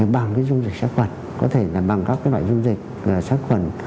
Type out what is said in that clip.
bằng cái dung dịch sát khuẩn có thể là bằng các loại dung dịch sát khuẩn